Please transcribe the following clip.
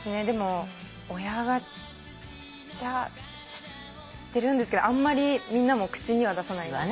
でも親ガチャ知ってるんですけどあんまりみんなも口には出さない。